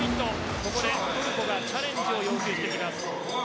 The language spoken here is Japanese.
ここでトルコがチャレンジを要求します。